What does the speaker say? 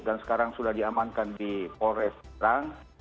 dan sekarang sudah diamankan di polres rang